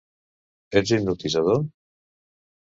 Ets hipnotitzador?